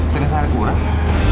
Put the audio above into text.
sebenarnya air kuras